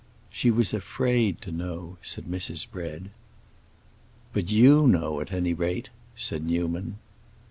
"She was afraid to know," said Mrs. Bread. "But you know, at any rate," said Newman.